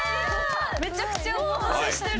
めちゃくちゃお待たせしてる。